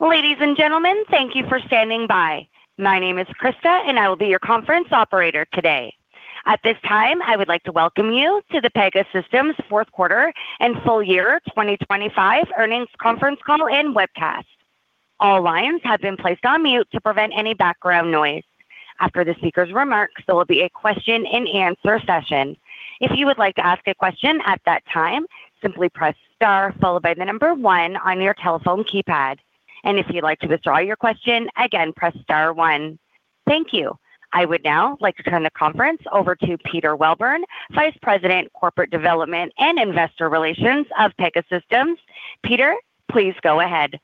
Ladies and gentlemen, thank you for standing by. My name is Krista, and I will be your conference operator today. At this time, I would like to welcome you to the Pegasystems fourth quarter and full-year 2025 earnings conference call and webcast. All lines have been placed on mute to prevent any background noise. After the speaker's remarks, there will be a question-and-answer session. If you would like to ask a question at that time, simply press star followed by the number one on your telephone keypad. And if you'd like to withdraw your question again, press star one. Thank you. I would now like to turn the conference over to Peter Welburn, Vice President, Corporate Development and Investor Relations of Pegasystems. Peter, please go ahead.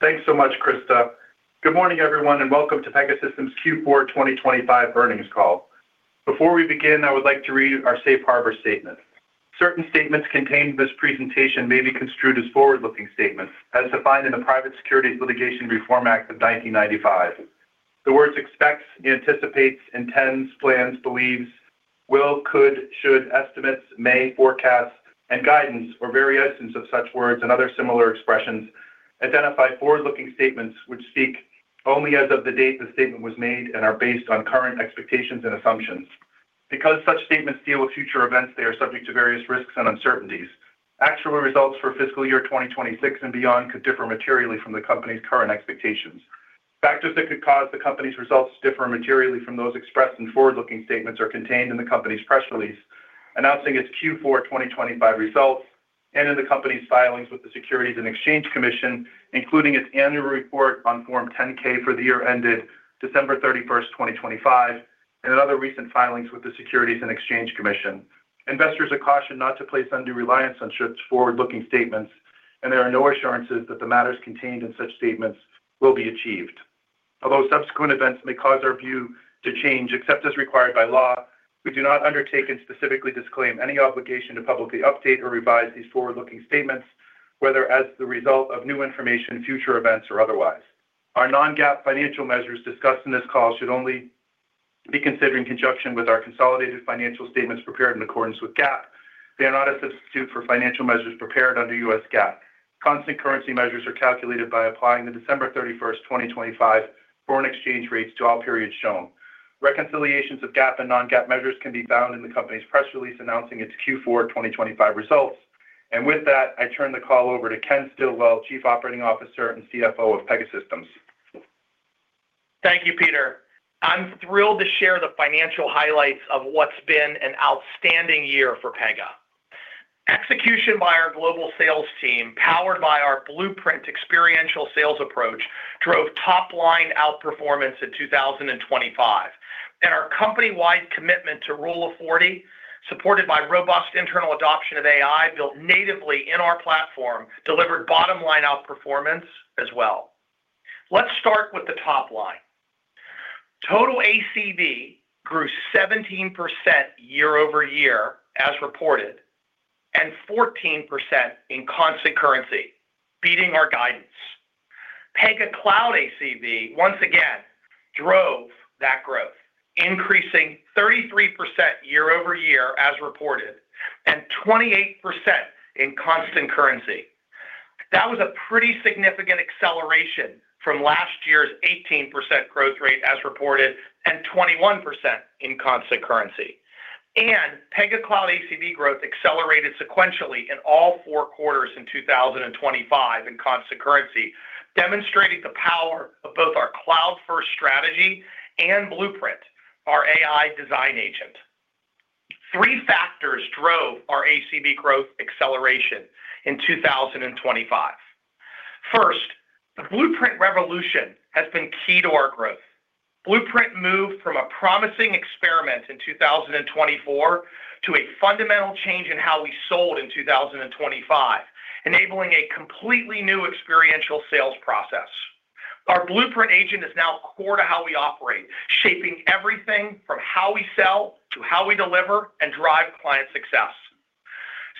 Thanks so much, Krista. Good morning, everyone, and welcome to Pegasystems Q4 2025 earnings call. Before we begin, I would like to read our Safe Harbor Statement. Certain statements contained in this presentation may be construed as forward-looking statements as defined in the Private Securities Litigation Reform Act of 1995. The words expects, anticipates, intends, plans, believes, will, could, should, estimates, may, forecast, and guidance, or various instances of such words and other similar expressions identify forward-looking statements which speak only as of the date the statement was made and are based on current expectations and assumptions. Because such statements deal with future events, they are subject to various risks and uncertainties. Actual results for fiscal year 2026 and beyond could differ materially from the company's current expectations. Factors that could cause the company's results to differ materially from those expressed in forward-looking statements are contained in the company's press release, announcing its Q4 2025 results and in the company's filings with the Securities and Exchange Commission, including its annual report on Form 10-K for the year ended December 31st, 2025, and in other recent filings with the Securities and Exchange Commission. Investors are cautioned not to place undue reliance on such forward-looking statements, and there are no assurances that the matters contained in such statements will be achieved. Although subsequent events may cause our view to change, except as required by law, we do not undertake and specifically disclaim any obligation to publicly update or revise these forward-looking statements, whether as the result of new information, future events, or otherwise. Our non-GAAP financial measures discussed in this call should only be considered in conjunction with our consolidated financial statements prepared in accordance with GAAP. They are not a substitute for financial measures prepared under U.S. GAAP. Constant currency measures are calculated by applying the December 31st, 2025, foreign exchange rates to all periods shown. Reconciliations of GAAP and non-GAAP measures can be found in the company's press release announcing its Q4 2025 results. And with that, I turn the call over to Ken Stillwell, Chief Operating Officer and CFO of Pegasystems. Thank you, Peter. I'm thrilled to share the financial highlights of what's been an outstanding year for Pega. Execution by our global sales team, powered by our Blueprint experiential sales approach, drove top-line outperformance in 2025. Our company-wide commitment to Rule of 40, supported by robust internal adoption of AI built natively in our platform, delivered bottom-line outperformance as well. Let's start with the top line. Total ACV grew 17% year-over-year, as reported, and 14% in constant currency, beating our guidance. Pega Cloud ACV once again drove that growth, increasing 33% year-over-year as reported, and 28% in constant currency. That was a pretty significant acceleration from last year's 18% growth rate as reported, and 21% in constant currency. Pega Cloud ACV growth accelerated sequentially in all four quarters in 2025 in constant currency, demonstrating the power of both our cloud-first strategy and Blueprint, our AI design agent. Three factors drove our ACV growth acceleration in 2025. First, the Blueprint revolution has been key to our growth. Blueprint moved from a promising experiment in 2024 to a fundamental change in how we sold in 2025, enabling a completely new experiential sales process. Our Blueprint agent is now core to how we operate, shaping everything from how we sell to how we deliver and drive client success.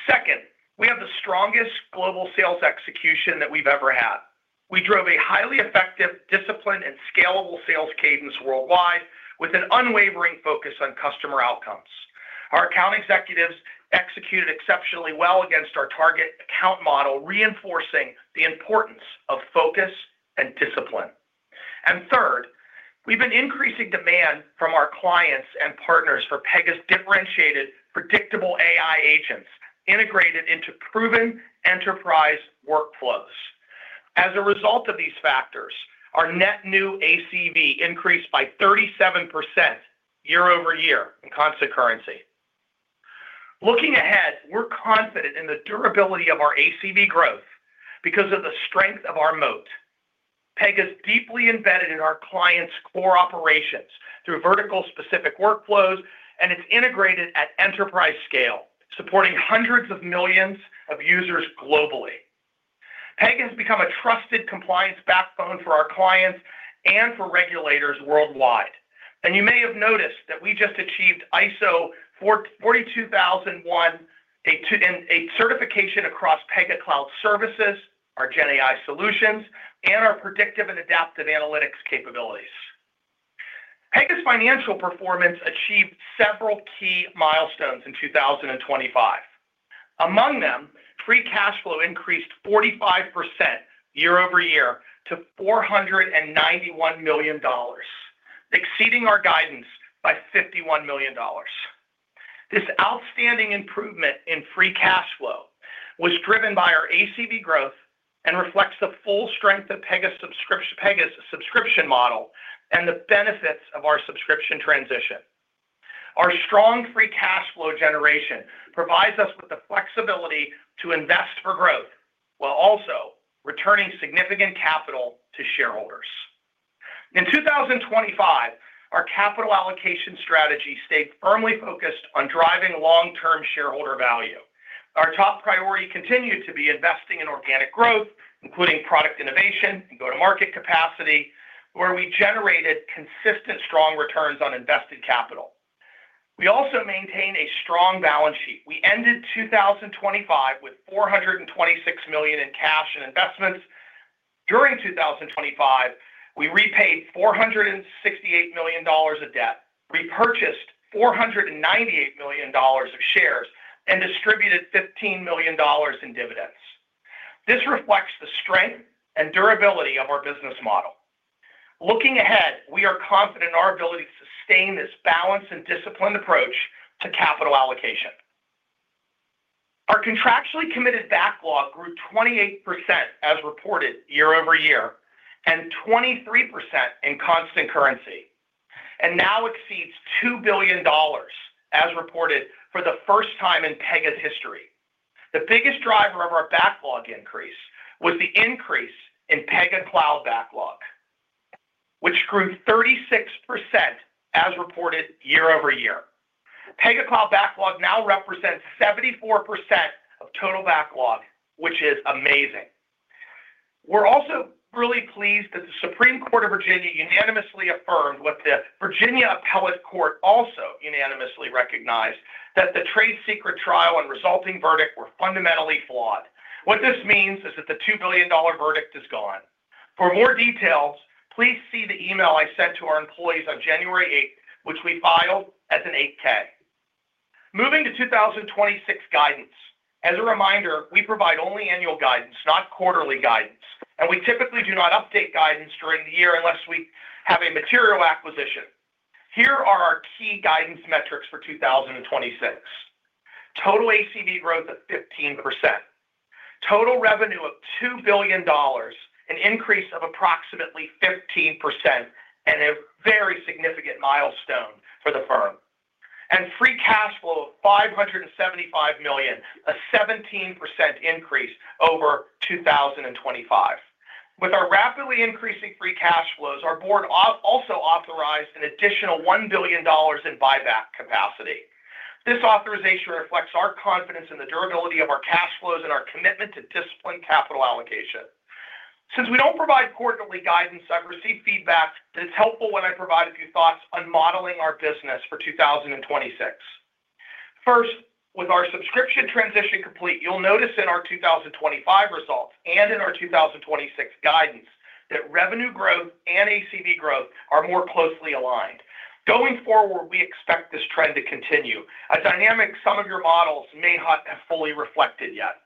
Second, we have the strongest global sales execution that we've ever had. We drove a highly effective, disciplined, and scalable sales cadence worldwide with an unwavering focus on customer outcomes. Our account executives executed exceptionally well against our target account model, reinforcing the importance of focus and discipline. And third, we've been increasing demand from our clients and partners for Pega's differentiated Predictable AI agents integrated into proven enterprise workflows. As a result of these factors, our net new ACV increased by 37% year-over-year in constant currency. Looking ahead, we're confident in the durability of our ACV growth because of the strength of our moat. Pega is deeply embedded in our clients' core operations through vertical-specific workflows, and it's integrated at enterprise scale, supporting hundreds of millions of users globally. Pega has become a trusted compliance backbone for our clients and for regulators worldwide. And you may have noticed that we just achieved ISO 42001. A certification across Pega Cloud services, our GenAI solutions, and our predictive and adaptive analytics capabilities. Pega's financial performance achieved several key milestones in 2025. Among them, free cash flow increased 45% year-over-year to $491 million, exceeding our guidance by $51 million. This outstanding improvement in free cash flow was driven by our ACV growth and reflects the full strength of Pega's subscription model and the benefits of our subscription transition. Our strong free cash flow generation provides us with the flexibility to invest for growth, while also returning significant capital to shareholders. In 2025, our capital allocation strategy stayed firmly focused on driving long-term shareholder value. Our top priority continued to be investing in organic growth, including product innovation and go-to-market capacity, where we generated consistent, strong returns on invested capital. We also maintained a strong balance sheet. We ended 2025 with $426 million in cash and investments. During 2025, we repaid $468 million of debt, repurchased $498 million of shares, and distributed $15 million in dividends. This reflects the strength and durability of our business model. Looking ahead, we are confident in our ability to sustain this balanced and disciplined approach to capital allocation. Our contractually committed backlog grew 28% as reported year-over-year, and 23% in constant currency, and now exceeds $2 billion as reported for the first time in Pega's history. The biggest driver of our backlog increase was the increase in Pega Cloud backlog, which grew 36% as reported year-over-year. Pega Cloud backlog now represents 74% of total backlog, which is amazing. We're also really pleased that the Supreme Court of Virginia unanimously affirmed what the Virginia Appellate Court also unanimously recognized, that the trade secret trial and resulting verdict were fundamentally flawed. What this means is that the $2 billion verdict is gone. For more details, please see the email I sent to our employees on January 8, which we filed as an 8-K. Moving to 2026 guidance. As a reminder, we provide only annual guidance, not quarterly guidance, and we typically do not update guidance during the year unless we have a material acquisition. Here are our key guidance metrics for 2026. Total ACV growth of 15%. Total revenue of $2 billion, an increase of approximately 15% and a very significant milestone for the firm. Free cash flow of $575 million, a 17% increase over 2025. With our rapidly increasing free cash flows, our board also authorized an additional $1 billion in buyback capacity. This authorization reflects our confidence in the durability of our cash flows and our commitment to disciplined capital allocation. Since we don't provide quarterly guidance, I've received feedback that it's helpful when I provide a few thoughts on modeling our business for 2026. First, with our subscription transition complete, you'll notice in our 2025 results and in our 2026 guidance, that revenue growth and ACV growth are more closely aligned. Going forward, we expect this trend to continue, a dynamic some of your models may not have fully reflected yet.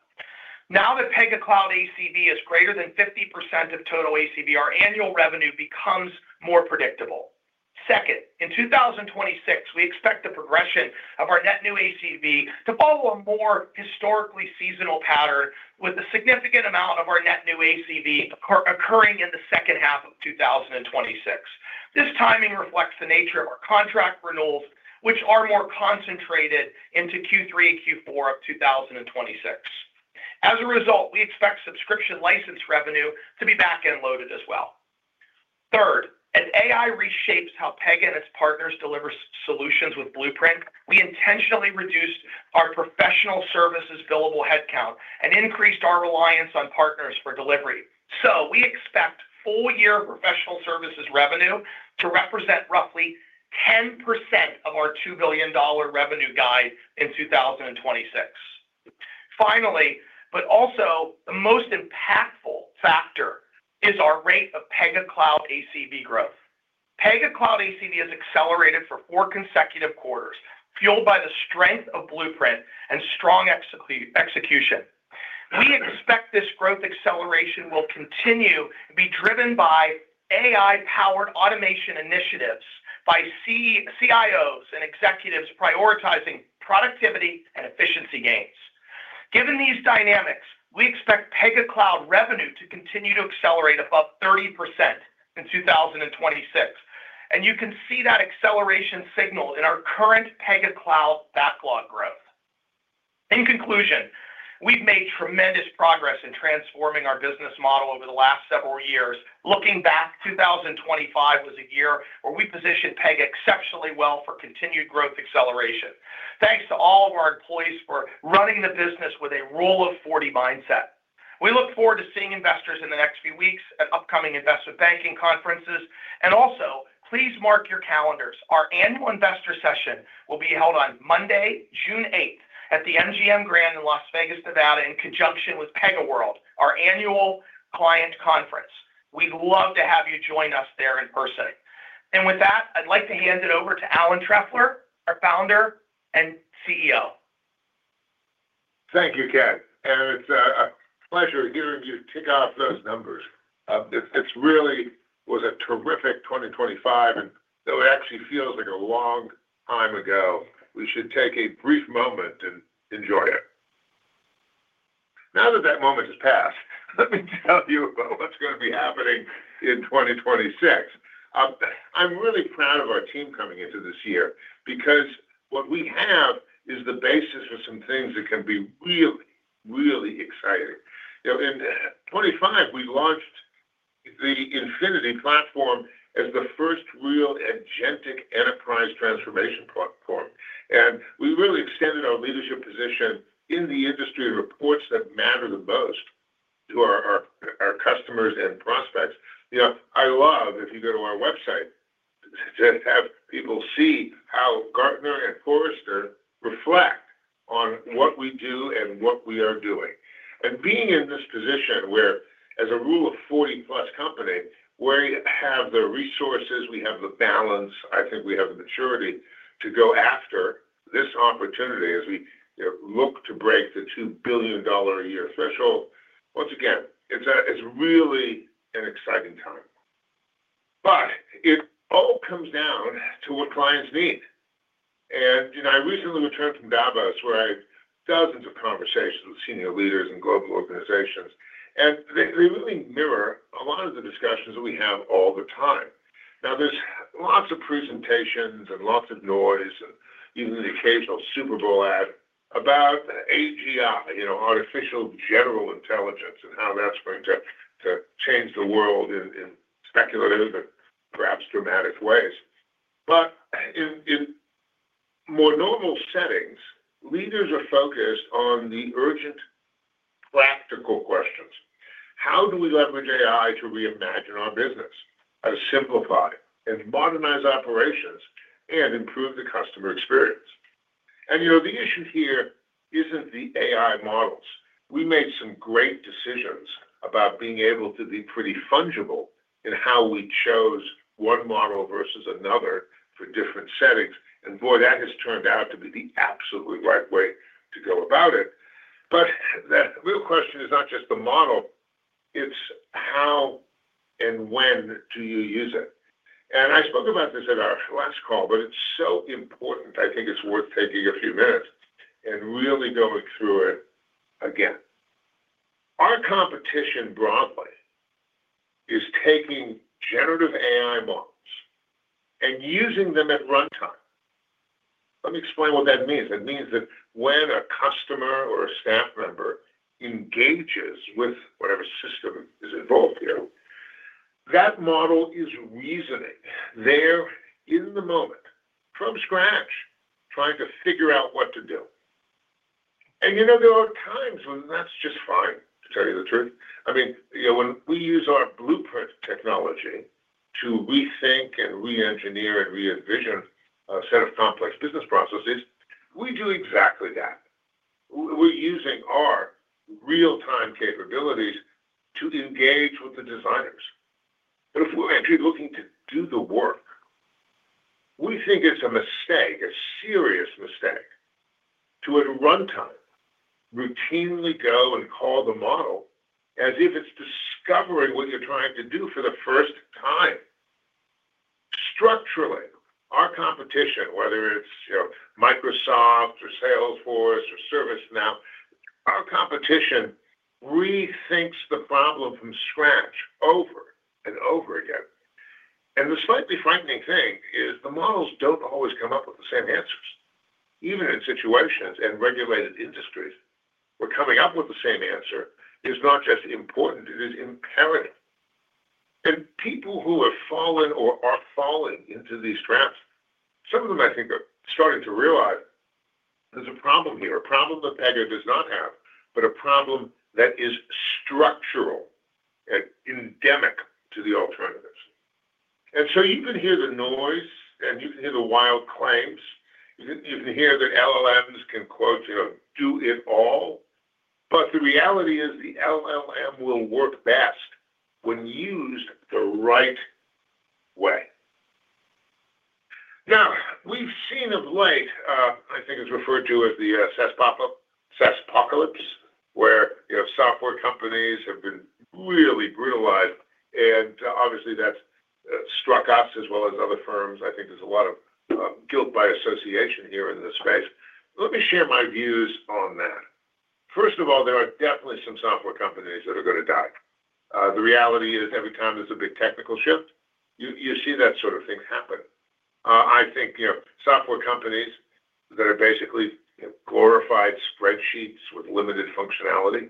Now that Pega Cloud ACV is greater than 50% of total ACV, our annual revenue becomes more predictable. Second, in 2026, we expect the progression of our net new ACV to follow a more historically seasonal pattern, with a significant amount of our net new ACV occurring in the second half of 2026. This timing reflects the nature of our contract renewals, which are more concentrated into Q3 and Q4 of 2026. As a result, we expect subscription license revenue to be back-end loaded as well. Third, as AI reshapes how Pega and its partners deliver solutions with Blueprint, we intentionally reduced our professional services billable headcount and increased our reliance on partners for delivery. So we expect full-year professional services revenue to represent roughly 10% of our $2 billion revenue guide in 2026. Finally, but also the most impactful factor is our rate of Pega Cloud ACV growth. Pega Cloud ACV has accelerated for four consecutive quarters, fueled by the strength of Blueprint and strong execution. We expect this growth acceleration will continue to be driven by AI-powered automation initiatives, by CIOs and executives prioritizing productivity and efficiency gains. Given these dynamics, we expect Pega Cloud revenue to continue to accelerate above 30% in 2026, and you can see that acceleration signal in our current Pega Cloud backlog growth. In conclusion, we've made tremendous progress in transforming our business model over the last several years. Looking back, 2025 was a year where we positioned Pega exceptionally well for continued growth acceleration. Thanks to all of our employees for running the business with a Rule of 40 mindset. We look forward to seeing investors in the next few weeks at upcoming investor banking conferences. And also, please mark your calendars. Our annual investor session will be held on Monday, June 8, at the MGM Grand in Las Vegas, Nevada, in conjunction with PegaWorld, our annual client conference. We'd love to have you join us there in person. And with that, I'd like to hand it over to Alan Trefler, our Founder and CEO. Thank you, Ken, and it's a pleasure hearing you kick off those numbers. This really was a terrific 2025, and though it actually feels like a long time ago, we should take a brief moment and enjoy it. Now that that moment has passed, let me tell you about what's going to be happening in 2026. I'm really proud of our team coming into this year because what we have is the basis of some things that can be really, really exciting. You know, in 2025, we launched the Infinity platform as the first real agentic enterprise transformation platform, and we really extended our leadership position in the industry reports that matter the most to our customers and prospects. You know, I love, if you go to our website, to have people see how Gartner and Forrester reflect on what we do and what we are doing. And being in this position where as a Rule of 40-plus company, where we have the resources, we have the balance, I think we have the maturity to go after this opportunity as we, you know, look to break the $2 billion a year threshold. Once again, it's really an exciting time. But it all comes down to what clients need. And, you know, I recently returned from Davos, where I had dozens of conversations with senior leaders in global organizations, and they, they really mirror a lot of the discussions that we have all the time. Now, there's lots of presentations and lots of noise, and even the occasional Super Bowl ad about AGI, you know, artificial general intelligence and how that's going to change the world in speculative and perhaps dramatic ways. But in more normal settings, leaders are focused on the urgent, practical questions. How do we leverage AI to reimagine our business, and simplify, and modernize operations, and improve the customer experience? And you know, the issue here isn't the AI models. We made some great decisions about being able to be pretty fungible in how we chose one model versus another for different settings, and boy, that has turned out to be the absolutely right way to go about it. But the real question is not just the model, it's how and when do you use it. And I spoke about this at our last call, but it's so important. I think it's worth taking a few minutes and really going through it again. Our competition broadly is taking generative AI models and using them at runtime. Let me explain what that means. It means that when a customer or a staff member engages with whatever system is involved here, that model is reasoning there in the moment, from scratch, trying to figure out what to do. And, you know, there are times when that's just fine, to tell you the truth. I mean, you know, when we use our blueprint technology to rethink and reengineer and reenvision a set of complex business processes, we do exactly that. We're using our real-time capabilities to engage with the designers. But if we're actually looking to do the work, we think it's a mistake, a serious mistake, to, at runtime, routinely go and call the model as if it's discovering what you're trying to do for the first time. Structurally, our competition, whether it's, you know, Microsoft or Salesforce or ServiceNow, our competition rethinks the problem from scratch over and over again. And the slightly frightening thing is the models don't always come up with the same answers, even in situations and regulated industries, where coming up with the same answer is not just important, it is imperative. And people who have fallen or are falling into these traps, some of them, I think, are starting to realize there's a problem here, a problem that Pega does not have, but a problem that is structural and endemic to the alternatives. And so you can hear the noise and you can hear the wild claims. You can hear that LLMs can, you know, "do it all." But the reality is the LLM will work best when used the right way. Now, we've seen of late, I think it's referred to as the, SaaSpocalypse, where, you know, software companies have been really brutalized, and obviously, that's, struck us as well as other firms. I think there's a lot of, guilt by association here in this space. Let me share my views on that. First of all, there are definitely some software companies that are going to die. The reality is, every time there's a big technical shift, you, you see that sort of thing happen. I think, you know, software companies that are basically glorified spreadsheets with limited functionality,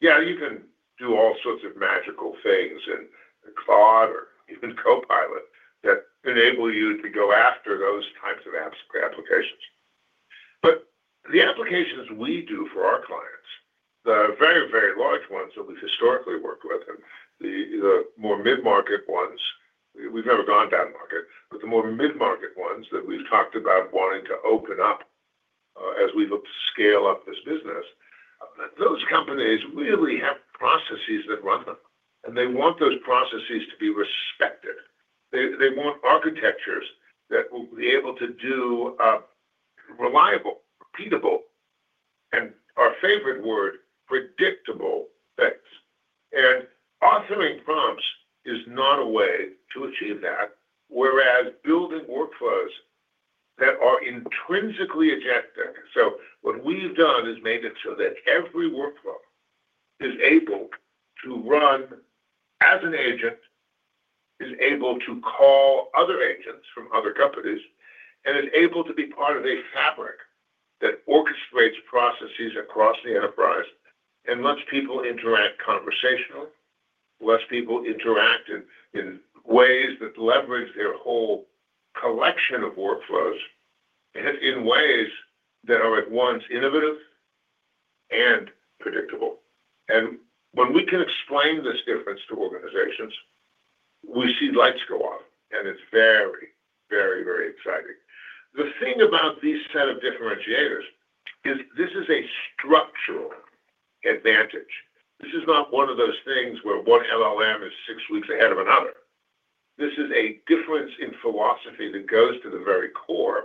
yeah, you can do all sorts of magical things in Claude or even Copilot that enable you to go after those types of apps, applications. But the applications we do for our clients, the very, very large ones that we've historically worked with and the, the more mid-market ones, we've never gone down market, but the more mid-market ones that we've talked about wanting to open up, as we look to scale up this business. Companies really have processes that run them, and they want those processes to be respected. They, they want architectures that will be able to do, reliable, repeatable, and our favorite word, predictable things. And authoring prompts is not a way to achieve that, whereas building workflows that are intrinsically agentic. What we've done is made it so that every workflow is able to run as an agent, is able to call other agents from other companies, and is able to be part of a fabric that orchestrates processes across the enterprise and lets people interact conversationally, lets people interact in, in ways that leverage their whole collection of workflows in, in ways that are at once innovative and predictable. When we can explain this difference to organizations, we see lights go on, and it's very, very, very exciting. The thing about these set of differentiators is this is a structural advantage. This is not one of those things where one LLM is six weeks ahead of another. This is a difference in philosophy that goes to the very core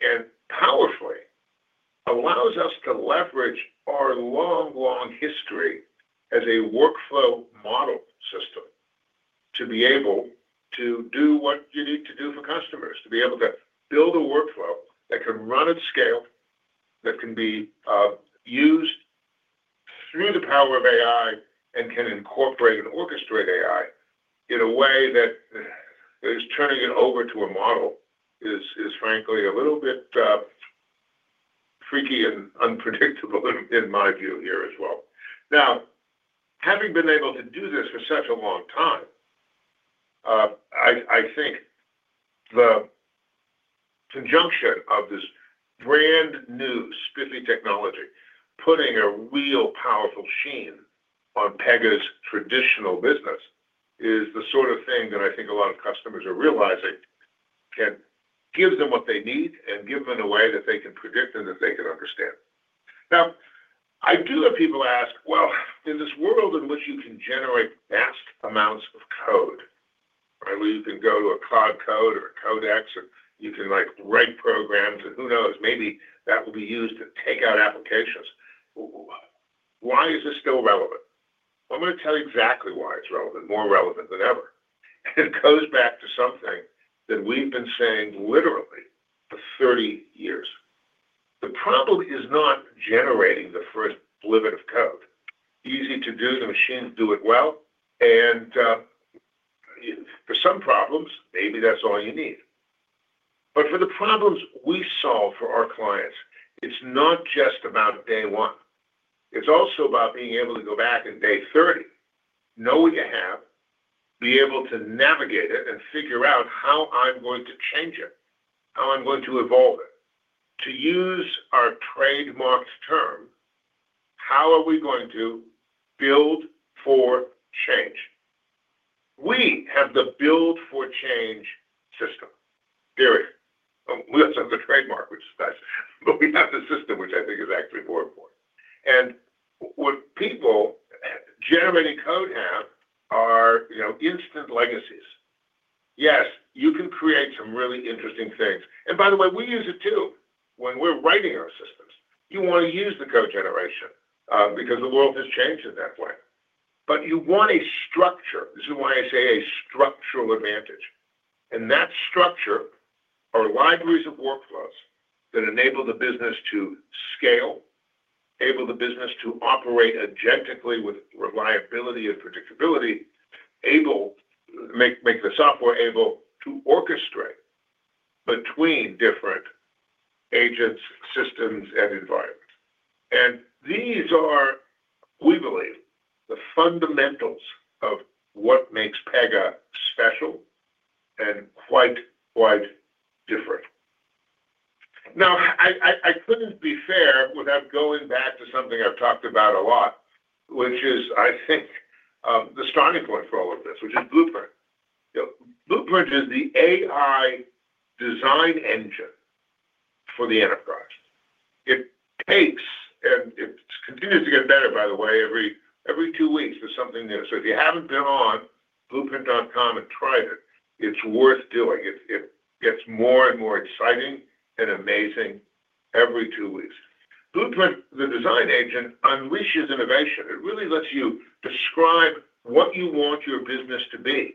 and powerfully allows us to leverage our long, long history as a workflow model system, to be able to do what you need to do for customers, to be able to build a workflow that can run at scale, that can be used through the power of AI, and can incorporate and orchestrate AI in a way that is turning it over to a model, is frankly a little bit freaky and unpredictable in my view here as well. Now, having been able to do this for such a long time, I think the conjunction of this brand-new spiffy technology, putting a real powerful sheen on Pega's traditional business, is the sort of thing that I think a lot of customers are realizing can give them what they need and give them in a way that they can predict and that they can understand. Now, I do have people ask: "Well, in this world in which you can generate vast amounts of code, right, where you can go to a Claude or a Codex, or you can, like, write programs, and who knows, maybe that will be used to take out applications, why is this still relevant?" I'm going to tell you exactly why it's relevant, more relevant than ever, and it goes back to something that we've been saying literally for 30 years. The problem is not generating the first bit of code. Easy to do. The machines do it well, and for some problems, maybe that's all you need. But for the problems we solve for our clients, it's not just about day one. It's also about being able to go back on day 30, know what you have, be able to navigate it, and figure out how I'm going to change it, how I'm going to evolve it. To use our trademarked term, how are we going to build for change? We have the Build for Change system. Period. We have the trademark, which is nice, but we have the system, which I think is actually more important. What people generating code have are, you know, instant legacies. Yes, you can create some really interesting things, and by the way, we use it too when we're writing our systems. You want to use the code generation because the world has changed in that way, but you want a structure. This is why I say a structural advantage, and that structure are libraries of workflows that enable the business to scale, enable the business to operate agentically with reliability and predictability, able to make the software able to orchestrate between different agents, systems, and environments. And these are, we believe, the fundamentals of what makes Pega special and quite, quite different. Now, I couldn't be fair without going back to something I've talked about a lot, which is, I think, the starting point for all of this, which is Blueprint. You know, Blueprint is the AI design engine for the enterprise. It takes, and it continues to get better by the way, every two weeks, there's something new. So if you haven't been on blueprint.com and tried it, it's worth doing. It gets more and more exciting and amazing every two weeks. Blueprint, the design agent, unleashes innovation. It really lets you describe what you want your business to be.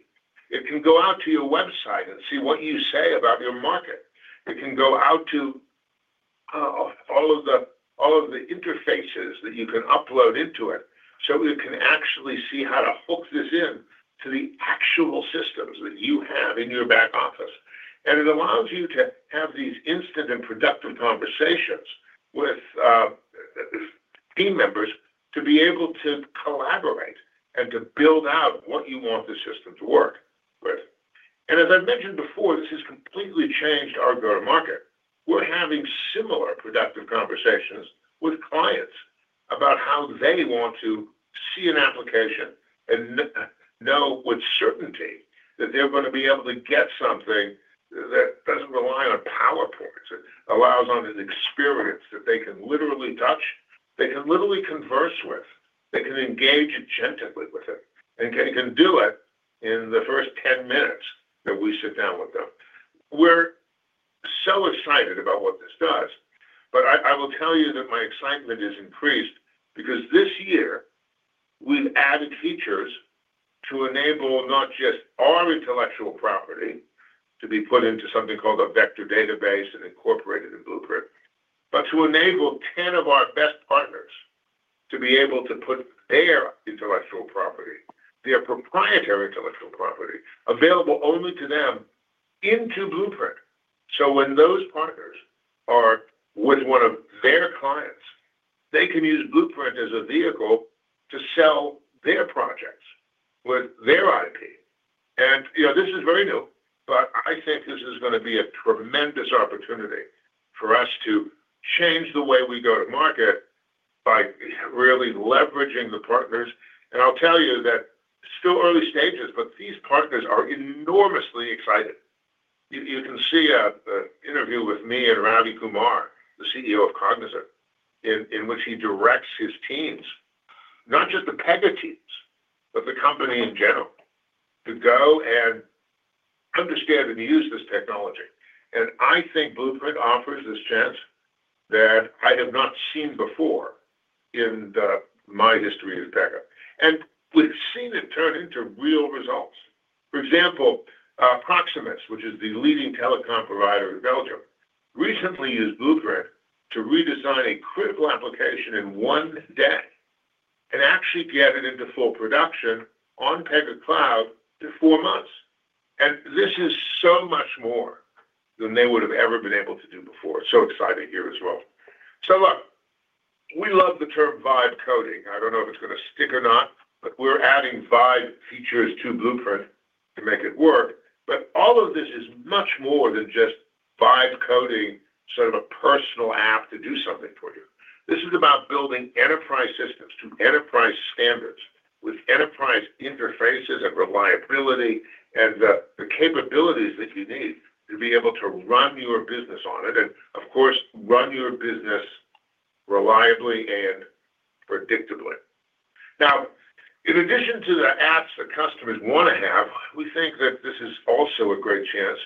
It can go out to your website and see what you say about your market. It can go out to all of the interfaces that you can upload into it. So it can actually see how to hook this in to the actual systems that you have in your back office. And it allows you to have these instant and productive conversations with team members to be able to collaborate and to build out what you want the system to work with. As I mentioned before, this has completely changed our go-to-market. We're having similar productive conversations with clients about how they want to see an application and know with certainty that they're going to be able to get something that doesn't rely on PowerPoints. It allows them an experience that they can literally touch, they can literally converse with, they can engage gently with it, and they can do it in the first 10 minutes that we sit down with them. We're so excited about what this does, but I, I will tell you that my excitement is increased because this year we've added features to enable not just our intellectual property to be put into something called a vector database and incorporated in Blueprint, but to enable 10 of our best partners to be able to put their intellectual property, their proprietary intellectual property, available only to them into Blueprint. So when those partners are with one of their clients, they can use Blueprint as a vehicle to sell their projects with their IP. And, you know, this is very new, but I think this is going to be a tremendous opportunity for us to change the way we go to market by really leveraging the partners. And I'll tell you that still early stages, but these partners are enormously excited. You can see an interview with me and Ravi Kumar, the CEO of Cognizant, in which he directs his teams, not just the Pega teams, but the company in general, to go and understand and use this technology. I think Blueprint offers this chance that I have not seen before in my history at Pega, and we've seen it turn into real results. For example, Proximus, which is the leading telecom provider in Belgium, recently used Blueprint to redesign a critical application in one day and actually get it into full production on Pega Cloud in four months. This is so much more than they would have ever been able to do before. So excited here as well. So look, we love the term vibe coding. I don't know if it's going to stick or not, but we're adding vibe features to Blueprint to make it work. But all of this is much more than just vibe coding, sort of a personal app to do something for you. This is about building enterprise systems to enterprise standards, with enterprise interfaces and reliability and the capabilities that you need to be able to run your business on it, and of course, run your business reliably and predictably. Now, in addition to the apps that customers want to have, we think that this is also a great chance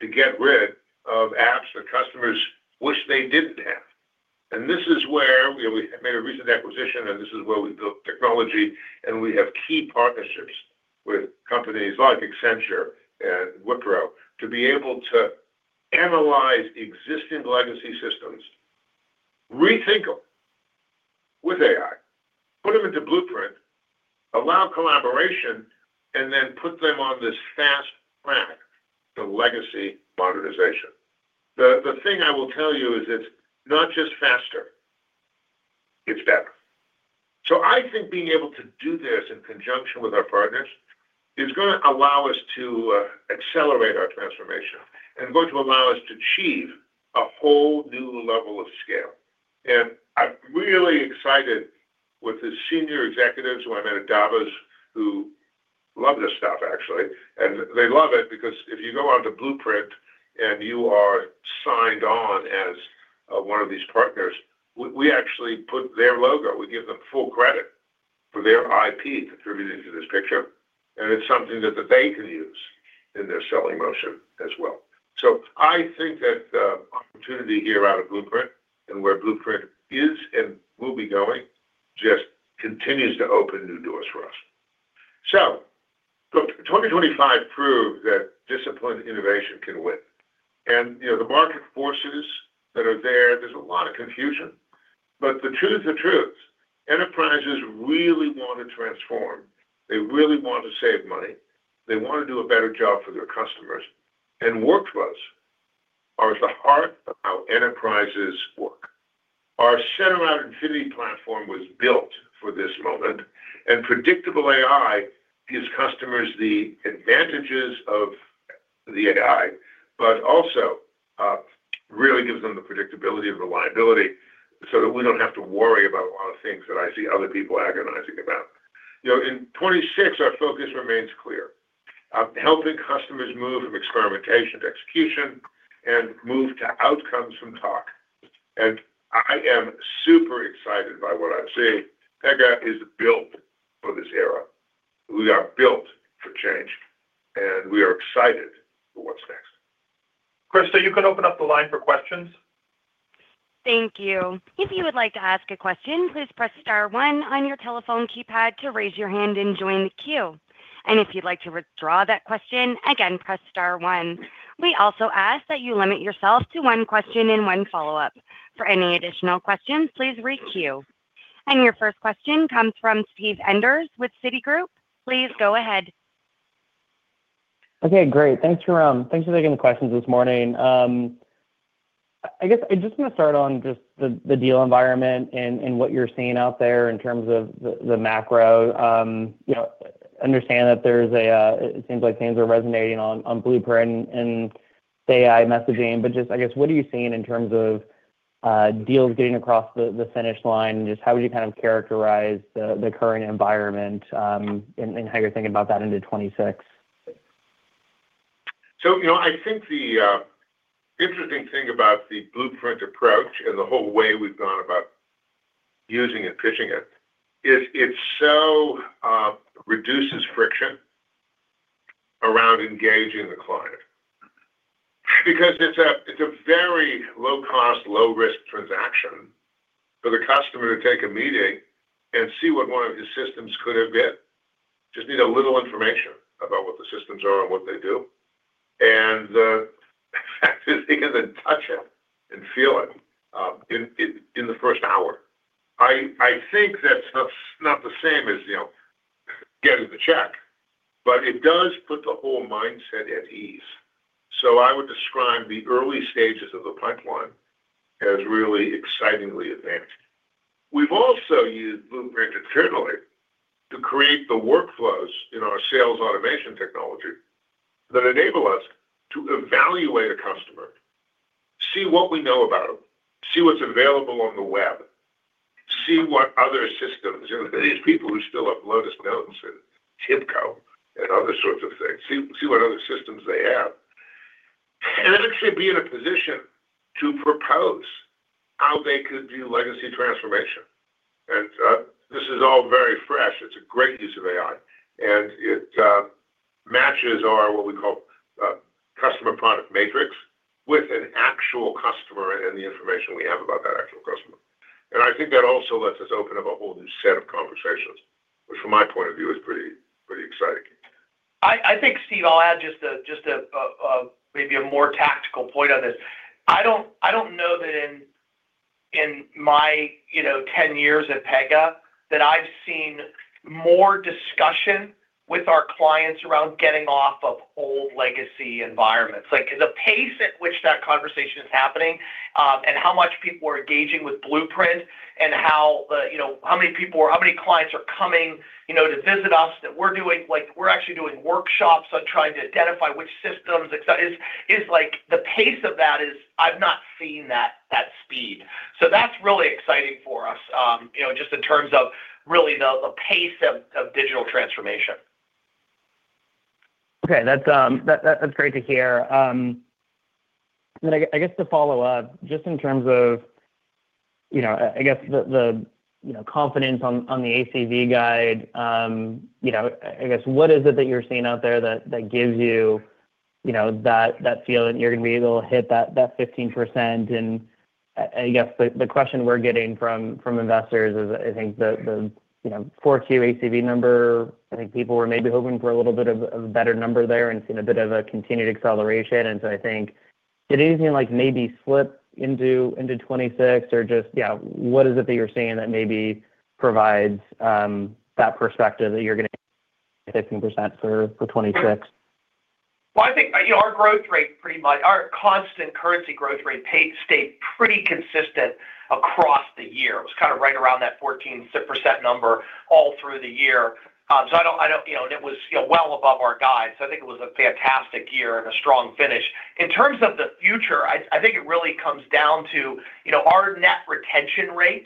to get rid of apps that customers wish they didn't have. And this is where we made a recent acquisition, and this is where we built technology, and we have key partnerships with companies like Accenture and Wipro to be able to analyze existing legacy systems, rethink them with AI, put them into Blueprint, allow collaboration, and then put them on this fast track to legacy modernization. The thing I will tell you is it's not just faster, it's better. So I think being able to do this in conjunction with our partners is going to allow us to accelerate our transformation and going to allow us to achieve a whole new level of scale. And I'm really excited with the senior executives who I met at Davos, who love this stuff, actually. And they love it, because if you go onto Blueprint and you are signed on as one of these partners, we actually put their logo. We give them full credit for their IP contributing to this picture, and it's something that they can use in their selling motion as well. So I think that the opportunity here out of Blueprint and where Blueprint is and will be going, just continues to open new doors for us. So look, 2025 proved that disciplined innovation can win. And, you know, the market forces that are there, there's a lot of confusion, but the truth's the truth. Enterprises really want to transform. They really want to save money. They want to do a better job for their customers. And workflows are at the heart of how enterprises work. Our Pega Infinity platform was built for this moment, and Predictable AI gives customers the advantages of the AI, but also really gives them the predictability and reliability so that we don't have to worry about a lot of things that I see other people agonizing about. You know, in 2026, our focus remains clear. Helping customers move from experimentation to execution and move to outcomes from talk. And I am super excited by what I'm seeing. Pega is built for this era. We are built for change, and we are excited for what's next. Krista, you can open up the line for questions. Thank you. If you would like to ask a question, please press star one on your telephone keypad to raise your hand and join the queue. And if you'd like to withdraw that question, again, press star one. We also ask that you limit yourself to one question and one follow-up. For any additional questions, please requeue. And your first question comes from Steve Enders with Citigroup. Please go ahead. Okay, great. Thanks. Thanks for taking the questions this morning. I guess I just want to start on just the deal environment and what you're seeing out there in terms of the macro. You know, understand that it seems like things are resonating on Blueprint and AI messaging, but just I guess, what are you seeing in terms of deals getting across the finish line? Just how would you kind of characterize the current environment, and how you're thinking about that into 2026? So, you know, I think the interesting thing about the Blueprint approach and the whole way we've gone about using it, pitching it, is it so reduces friction around engaging the client. Because it's a very low-cost, low-risk transaction for the customer to take a meeting and see what one of his systems could have been. Just need a little information about what the systems are and what they do, and actually get to touch it and feel it in the first hour. I think that's not the same as, you know, getting the check, but it does put the whole mindset at ease. So I would describe the early stages of the pipeline as really excitingly advanced. We've also used Blueprint internally to create the workflows in our sales automation technology that enable us to evaluate a customer, see what we know about them, see what's available on the web, see what other systems, you know, these people who still have Lotus Notes and TIBCO and other sorts of things, see, see what other systems they have. And actually be in a position to propose how they could do legacy transformation. And this is all very fresh. It's a great use of AI, and it matches our, what we call, customer product matrix, with an actual customer and the information we have about that actual customer. And I think that also lets us open up a whole new set of conversations, which from my point of view, is pretty, pretty exciting. I think, Steve, I'll add just a maybe a more tactical point on this. I don't know that in my, you know, 10 years at Pega, that I've seen more discussion with our clients around getting off of old legacy environments. Like, the pace at which that conversation is happening, and how much people are engaging with Blueprint and how, you know, how many people or how many clients are coming, you know, to visit us, that we're doing. Like, we're actually doing workshops on trying to identify which systems, et cetera, is like the pace of that is, I've not seen that speed. So that's really exciting for us, you know, just in terms of really the pace of digital transformation. Okay, that's, that, that's great to hear. Then I guess to follow up, just in terms of, you know, I guess the, the, you know, confidence on, on the ACV guide, you know, I, I guess, what is it that you're seeing out there that, that gives you, you know, that, that feeling that you're gonna be able to hit that, that 15%? And I, I guess the, the question we're getting from, from investors is, I think the, the, you know, Q4 ACV number, I think people were maybe hoping for a little bit of, of a better number there and seen a bit of a continued acceleration. And so I think, did anything like maybe slip into 2026 or just, yeah, what is it that you're seeing that maybe provides that perspective that you're gonna get 15% for 2026? Well, I think, you know, our growth rate pretty much, our constant currency growth rate stayed pretty consistent across the year. It was kind of right around that 14% number all through the year. So I don't, I don't, you know, and it was, you know, well above our guide. So I think it was a fantastic year and a strong finish. In terms of the future, I, I think it really comes down to, you know, our net retention rate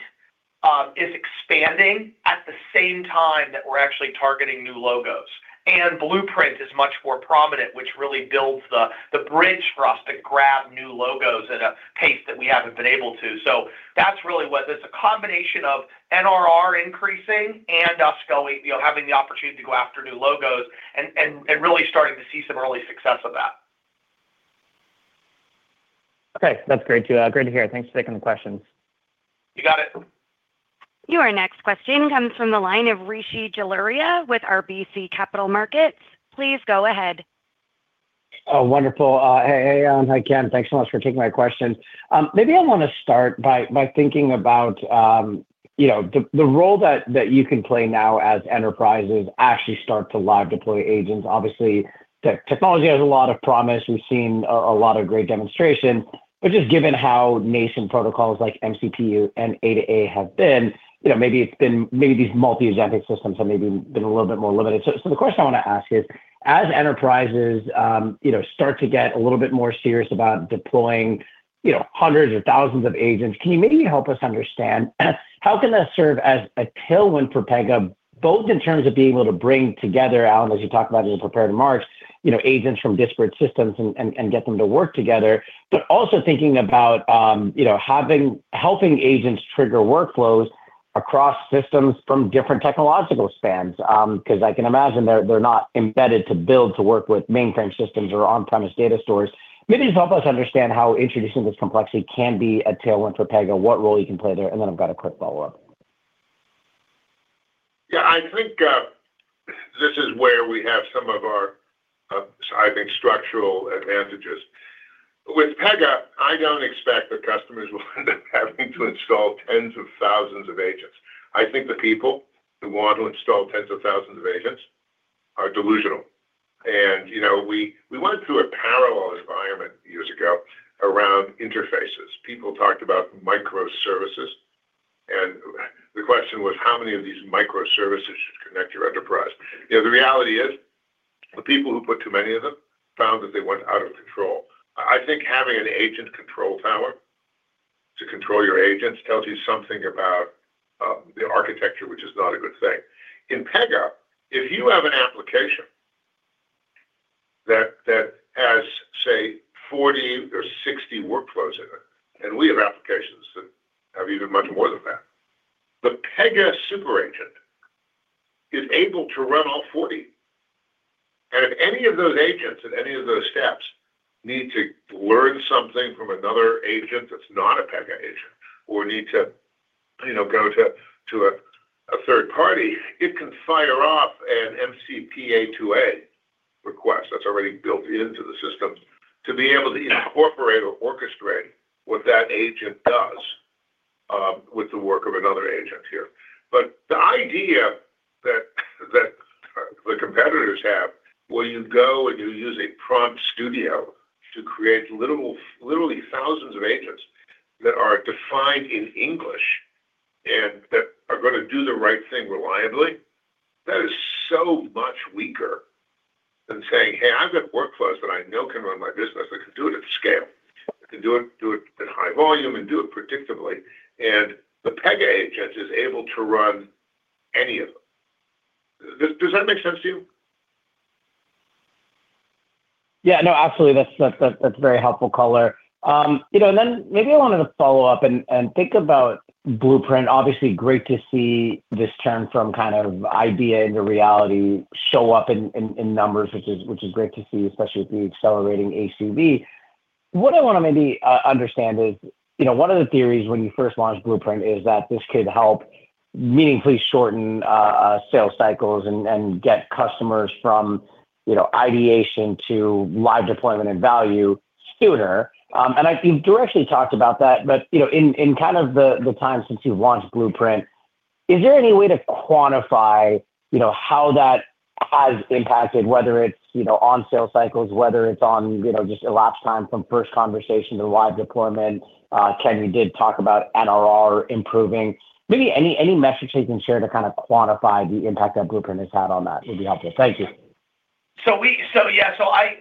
is expanding at the same time that we're actually targeting new logos. And Blueprint is much more prominent, which really builds the bridge for us to grab new logos at a pace that we haven't been able to. That's really what there's a combination of NRR increasing and us going, you know, having the opportunity to go after new logos and really starting to see some early success of that. Okay, that's great to hear. Thanks for taking the questions. You got it. Your next question comes from the line of Rishi Jaluria with RBC Capital Markets. Please go ahead. Oh, wonderful. Hey, hey, hi, Ken. Thanks so much for taking my question. Maybe I want to start by, by thinking about, you know, the, the role that, that you can play now as enterprises actually start to live deploy agents. Obviously, technology has a lot of promise. We've seen a, a lot of great demonstration, but just given how nascent protocols like MCP and A2A have been, you know, maybe it's been, maybe these multi-agentic systems have maybe been a little bit more limited. The question I want to ask is: as enterprises, you know, start to get a little bit more serious about deploying, you know, hundreds or thousands of agents, can you maybe help us understand how that can serve as a tailwind for Pega, both in terms of being able to bring together, Alan, as you talked about in the prepared remarks, you know, agents from disparate systems and get them to work together, but also thinking about, you know, helping agents trigger workflows across systems from different technological spans? 'Cause I can imagine they're not embedded to build to work with mainframe systems or on-premises data stores. Maybe just help us understand how introducing this complexity can be a tailwind for Pega, what role you can play there, and then I've got a quick follow-up. Yeah. I think this is where we have some of our, I think, structural advantages. With Pega, I don't expect that customers will end up having to install tens of thousands of agents. I think the people who want to install tens of thousands of agents are delusional. And, you know, we went through a parallel environment years ago around interfaces. People talked about microservices, and the question was: how many of these microservices should connect your enterprise? You know, the reality is the people who put too many of them found that they went out of control. I think having an agent control tower to control your agents tells you something about the architecture, which is not a good thing. In Pega, if you have an application that has, say, 40 or 60 workflows in it, and we have applications that have even much more than that, the Pega super agent is able to run all 40. And if any of those agents, and any of those steps need to learn something from another agent that's not a Pega agent, or need to, you know, go to a third party, it can fire off an MCP A2A request that's already built into the system to be able to incorporate or orchestrate what that agent does with the work of another agent here. But the idea that the competitors have, where you go and you use a prompt studio to create literally thousands of agents that are defined in English, and that are gonna do the right thing reliably, that is so much weaker than saying, "Hey, I've got workflows that I know can run my business. I can do it at scale. I can do it in high volume and do it predictably." And the Pega agent is able to run any of them. Does that make sense to you? Yeah. No, absolutely. That's very helpful color. You know, and then maybe I wanted to follow up and think about Blueprint. Obviously, great to see this turn from kind of idea into reality show up in numbers, which is great to see, especially with the accelerating ACV. What I want to maybe understand is, you know, one of the theories when you first launched Blueprint is that this could help meaningfully shorten sales cycles and get customers from, you know, ideation to live deployment and value sooner. And you've directly talked about that, but, you know, in kind of the time since you've launched Blueprint, is there any way to quantify, you know, how that has impacted, whether it's, you know, on sales cycles, whether it's on, you know, just elapsed time from first conversation to live deployment? Ken, you did talk about NRR improving. Maybe any metrics you can share to kind of quantify the impact that Blueprint has had on that would be helpful. Thank you. So, yeah,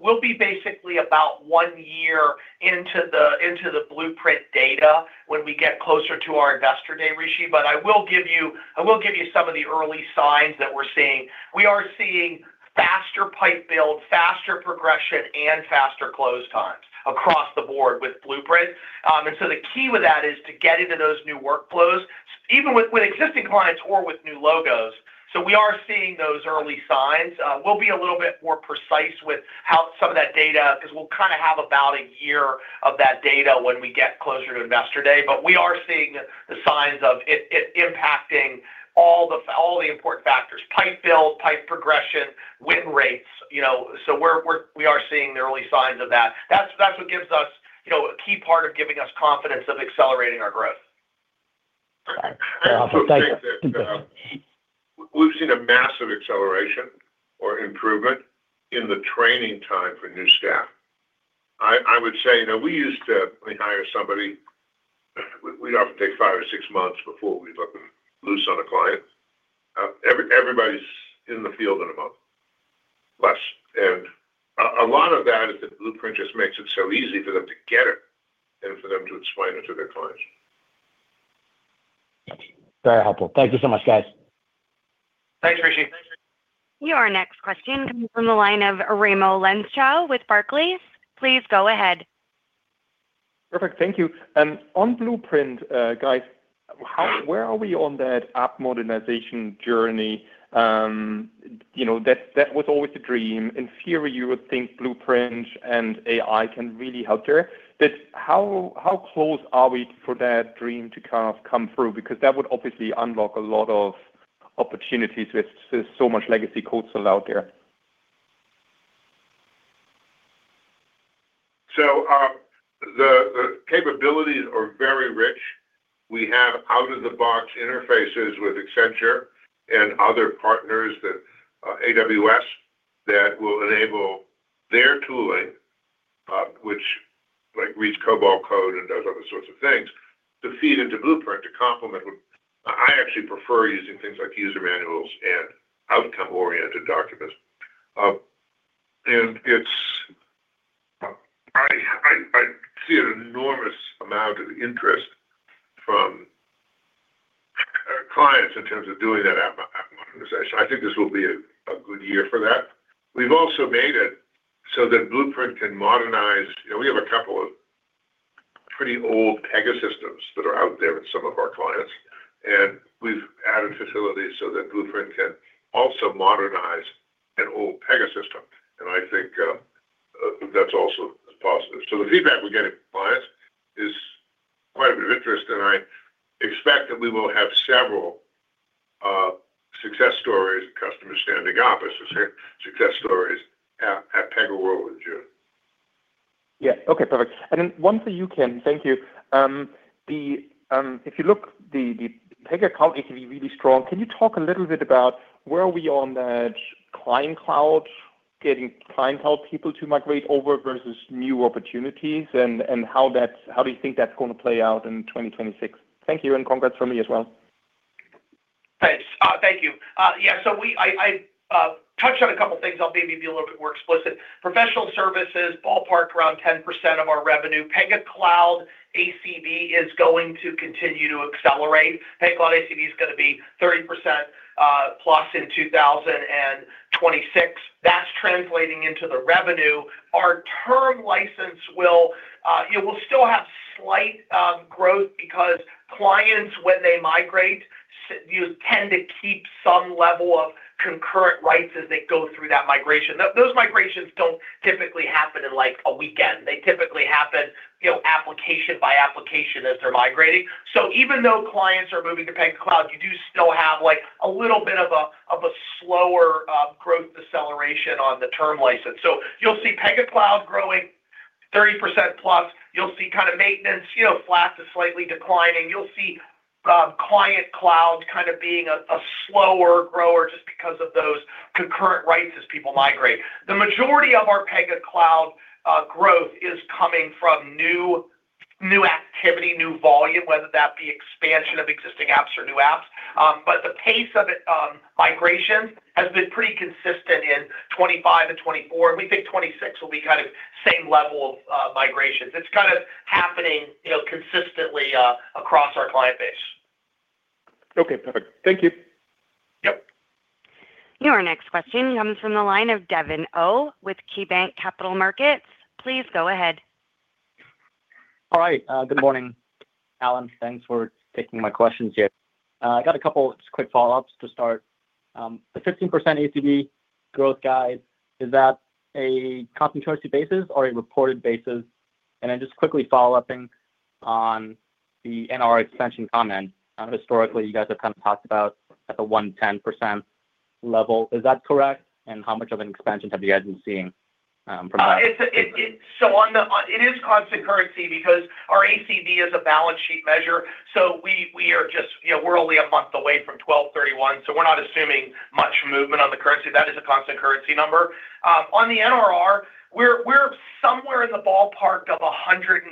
we'll be basically about one year into the Blueprint data when we get closer to our Investor Day, Rishi, but I will give you, I will give you some of the early signs that we're seeing. We are seeing faster pipe build, faster progression, and faster close times across the board with Blueprint. And so the key with that is to get into those new workflows, even with existing clients or with new logos. So we are seeing those early signs. We'll be a little bit more precise with how some of that data, because we'll kind of have about a year of that data when we get closer to Investor Day. But we are seeing the signs of it, it impacting all the important factors, pipe build, pipe progression, win rates, you know, so we're seeing the early signs of that. That's what gives us, you know, a key part of giving us confidence of accelerating our growth. Okay. Awesome. Thank you. We've seen a massive acceleration or improvement in the training time for new staff. I, I would say, you know, we used to, we hire somebody, we'd often take five or six months before we'd let them loose on a client. Everybody's in the field in a month, less. And a lot of that is that Blueprint just makes it so easy for them to get it and for them to explain it to their clients. Very helpful. Thank you so much, guys. Thanks, Rishi. Your next question comes from the line of Raimo Lenschow with Barclays. Please go ahead. Perfect. Thank you. On Blueprint, guys, where are we on that app modernization journey? You know, that, that was always the dream. In theory, you would think Blueprint and AI can really help there. But how, how close are we for that dream to kind of come through? Because that would obviously unlock a lot of opportunities with so much legacy codes still out there. So, the capabilities are very rich. We have out-of-the-box interfaces with Accenture and other partners, AWS, that will enable their tooling, which like reads COBOL code and does other sorts of things, to feed into Blueprint to complement what... I actually prefer using things like user manuals and outcome-oriented documents. And it's, I see an enormous amount of interest from our clients in terms of doing that app modernization. I think this will be a good year for that. We've also made it so that Blueprint can modernize... You know, we have a couple of pretty old Pega systems that are out there with some of our clients, and we've added facilities so that Blueprint can also modernize an old Pega system, and I think, that's also a positive. So the feedback we get from clients is quite a bit of interest, and I expect that we will have several success stories, customer standing up, I should say, success stories at PegaWorld in June. Yeah. Okay, perfect. And then one for you, Ken. Thank you. If you look at the Pega account, it can be really strong. Can you talk a little bit about where we are on the Client Cloud? Getting clientele people to migrate over versus new opportunities, and how do you think that's going to play out in 2026? Thank you, and congrats from me as well. Thanks. Thank you. Yeah, so we touched on a couple of things, I'll maybe be a little bit more explicit. Professional services, ballpark, around 10% of our revenue. Pega Cloud ACV is going to continue to accelerate. Pega Cloud ACV is gonna be 30%+ in 2026. That's translating into the revenue. Our term license will, it will still have slight growth because clients, when they migrate, you tend to keep some level of concurrent rights as they go through that migration. Those migrations don't typically happen in, like, a weekend. They typically happen, you know, application by application as they're migrating. So even though clients are moving to Pega Cloud, you do still have, like, a little bit of a, of a slower growth deceleration on the term license. So you'll see Pega Cloud growing 30%+, you'll see kind of maintenance, you know, flats is slightly declining. You'll see, Client Cloud kind of being a slower grower just because of those concurrent rights as people migrate. The majority of our Pega Cloud, growth is coming from new activity, new volume, whether that be expansion of existing apps or new apps. But the pace of it, migration has been pretty consistent in 2025 to 2024, and we think 2026 will be kind of same level of, migrations. It's kind of happening, you know, consistently, across our client base. Okay, perfect. Thank you. Yep. Your next question comes from the line of Devin Au with KeyBanc Capital Markets. Please go ahead. All right. Good morning, Alan. Thanks for taking my questions here. I got a couple just quick follow-ups to start. The 15% ACV growth guide, is that a constant currency basis or a reported basis? And then just quickly following on the NRR expansion comment. Historically, you guys have kind of talked about at the 110% level. Is that correct? And how much of an expansion have you guys been seeing, from that? So on the... It is constant currency because our ACV is a balance sheet measure, so we, we are just, you know, we're only a month away from 12/31, so we're not assuming much movement on the currency. That is a constant currency number. On the NRR, we're, we're somewhere in the ballpark of 150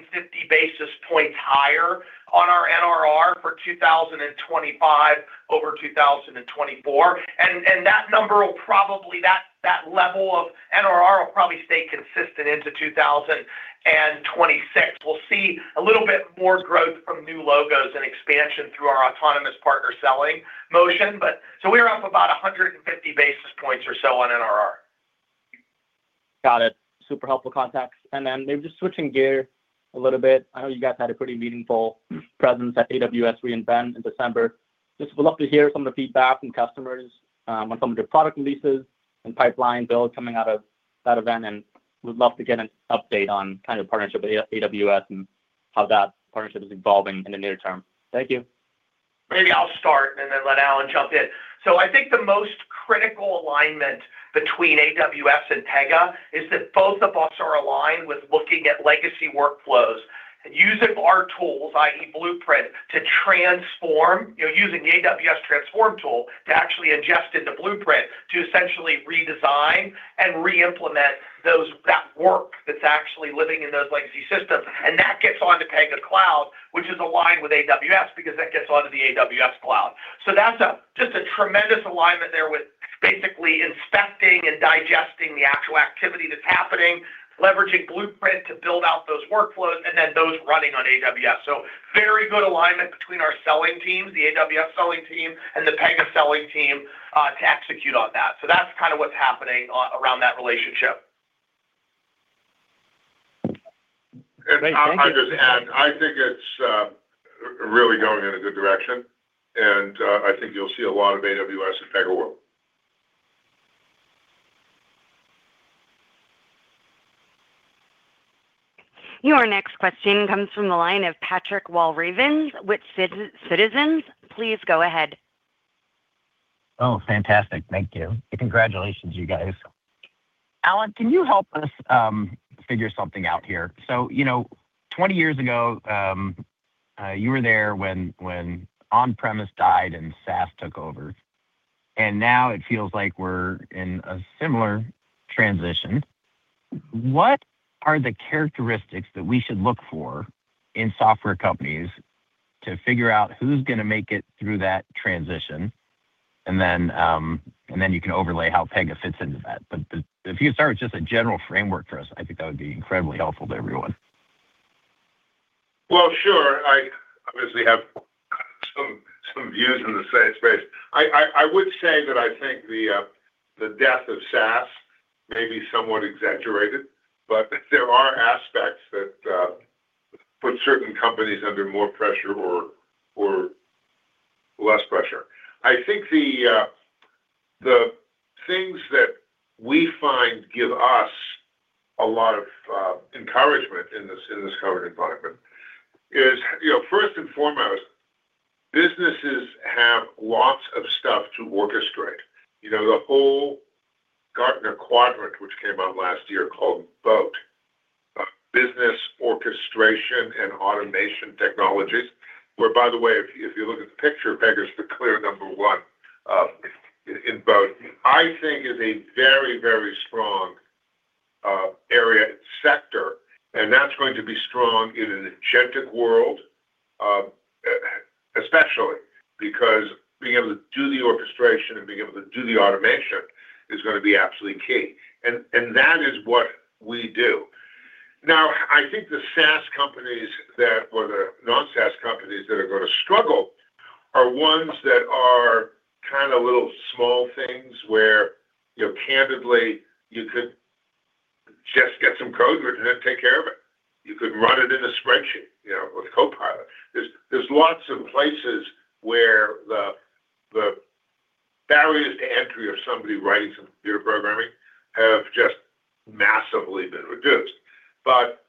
basis points higher on our NRR for 2025 over 2024, and, and that number will probably, that, that level of NRR will probably stay consistent into 2026. We'll see a little bit more growth from new logos and expansion through our autonomous partner selling motion, but so we're up about 150 basis points or so on NRR. Got it. Super helpful context. And then maybe just switching gear a little bit. I know you guys had a pretty meaningful presence at AWS re:Invent in December. Just would love to hear some of the feedback from customers on some of the product releases and pipeline build coming out of that event, and would love to get an update on kind of partnership with AWS and how that partnership is evolving in the near term. Thank you. Maybe I'll start and then let Alan jump in. So I think the most critical alignment between AWS and Pega is that both of us are aligned with looking at legacy workflows and using our tools, i.e., Blueprint, to transform, you know, using the AWS transform tool to actually ingest into Blueprint to essentially redesign and reimplement those, that work that's actually living in those legacy systems. And that gets onto Pega Cloud, which is aligned with AWS, because that gets onto the AWS cloud. So that's just a tremendous alignment there with basically inspecting and digesting the actual activity that's happening, leveraging Blueprint to build out those workflows, and then those running on AWS. So very good alignment between our selling teams, the AWS selling team, and the Pega selling team, to execute on that. So that's kind of what's happening on around that relationship. Thank you. I'll just add, I think it's really going in a good direction, and I think you'll see a lot of AWS at PegaWorld. Your next question comes from the line of Patrick Walravens with Citizens. Please go ahead. Oh, fantastic. Thank you. Congratulations, you guys. Alan, can you help us figure something out here? So, you know, 20 years ago, you were there when on-premise died and SaaS took over, and now it feels like we're in a similar transition. What are the characteristics that we should look for in software companies to figure out who's gonna make it through that transition? And then, and then you can overlay how Pega fits into that. But if you start with just a general framework for us, I think that would be incredibly helpful to everyone. Well, sure. I obviously have some views in the same space. I would say that I think the death of SaaS may be somewhat exaggerated, but there are aspects that put certain companies under more pressure or less pressure. I think the things that we find give us a lot of encouragement in this current environment is, you know, first and foremost, businesses have lots of stuff to orchestrate. You know, the whole Gartner Quadrant, which came out last year called BOAT, Business Orchestration and Automation Technologies, where, by the way, if you look at the picture, Pega's the clear number one in both. I think it is a very, very strong area sector, and that's going to be strong in an agentic world, especially because being able to do the orchestration and being able to do the automation is gonna be absolutely key. And, and that is what we do. Now, I think the SaaS companies that, or the non-SaaS companies that are gonna struggle are ones that are kind of little small things where, you know, candidly, you could just get some code written and take care of it. You could run it in a spreadsheet, you know, with Copilot. There's, there's lots of places where the, the barriers to entry of somebody writing some computer programming have just massively been reduced. But